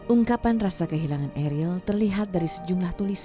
ungkapan rasa kehilangan eril terlihat dari sejumlah tulisan